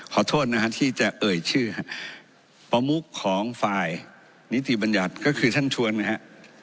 ขอโทษนะฮะที่จะเอ่ยชื่อประมุขของฝ่ายนิติบัญญัติก็คือท่านชวนนะฮะ